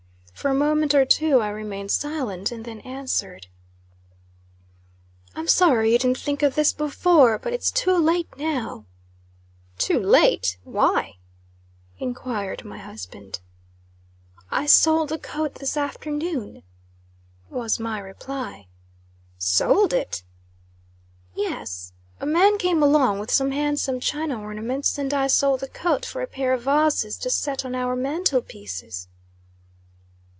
For a moment or two I remained silent, and then answered "I'm sorry you didn't think of this before; but it's too late now." "Too late! Why?" enquired my husband. "I sold the coat this afternoon," was my reply. "Sold it!" "Yes. A man came along with some handsome china ornaments, and I sold the coat for a pair of vases to set on our mantle pieces."